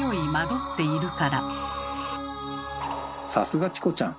さすがチコちゃん。